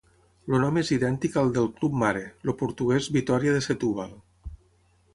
El nom és idèntic al del club mare, el portuguès Vitória de Setúbal.